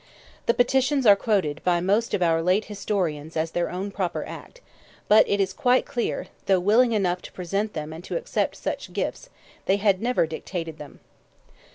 The petitions are quoted by most of our late historians as their own proper act, but it is quite clear, though willing enough to present them and to accept such gifts, they had never dictated them.